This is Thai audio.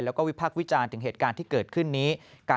แล้วก็วิพากษ์วิจารณ์ถึงเหตุการณ์ที่เกิดขึ้นนี้